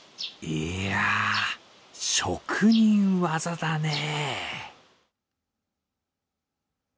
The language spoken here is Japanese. いやぁ、職人技だねえ。